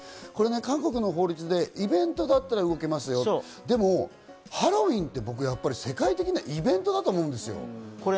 韓国の法律でイベントだったら動けますよ、でも、ハロウィーンって僕を世界的なイベントだと思うんですよ。